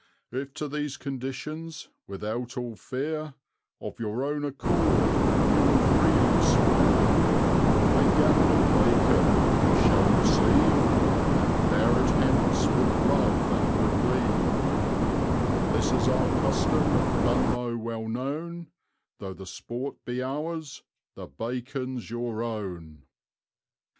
If to these conditions, without all fear, Of your own accord you will freely swear, A gammon of bacon you shall receive, And bear it hence with love and good leave; For this is our custom at Dunmow well known, Though the sport be ours the bacon's your own.